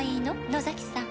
野崎さん」